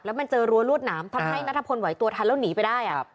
มันเจอรั้วรวดหนามทำให้นัทพลไหวตัวทันแล้วหนีไปได้